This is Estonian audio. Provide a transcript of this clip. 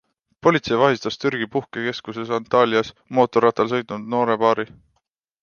Politsei vahistas Türgi puhkekeskuses Antalyas mootorrattal sõitnud noore paari.